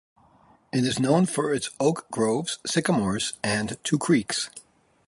It is known for its oak groves, sycamores, and two creeks.